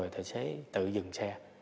tài xế tự dừng xe